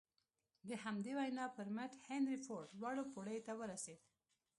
د همدې وينا پر مټ هنري فورډ لوړو پوړيو ته ورسېد.